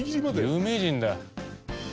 有名人だ。